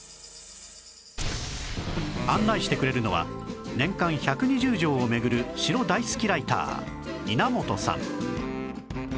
案内してくれるのは年間１２０城を巡る城大好きライターいなもとさん